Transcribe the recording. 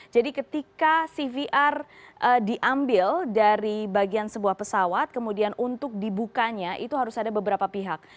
jadi ketika cvr diambil dari bagian sebuah pesawat kemudian untuk dibukanya itu harus ada beberapa pihak